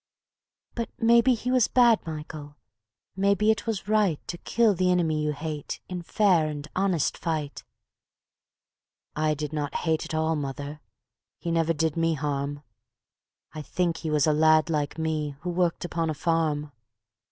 ..." "But maybe he was bad, Michael, maybe it was right To kill the inimy you hate in fair and honest fight. ..." "I did not hate at all, mother; he never did me harm; I think he was a lad like me, who worked upon a farm.